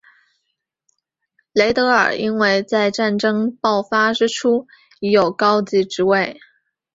雷德尔因为在战争爆发之初已有高级职位。